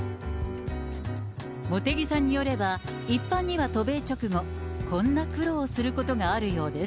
茂木さんによれば、一般には渡米直後、こんな苦労をすることがあるようです。